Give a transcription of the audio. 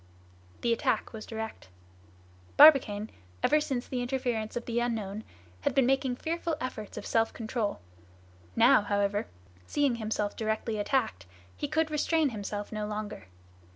The attack was direct. Barbicane, ever since the interference of the unknown, had been making fearful efforts of self control; now, however, seeing himself directly attacked, he could restrain himself no longer.